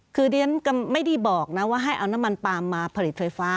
คือดิฉันก็ไม่ได้บอกนะว่าให้เอาน้ำมันปาล์มมาผลิตไฟฟ้า